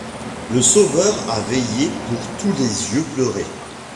Le sauveur a veillé pour tous les yeux, pleuré